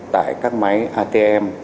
tại các máy atm